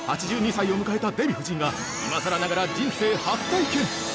８２歳を迎えたデヴィ夫人が今さらながら人生初体験！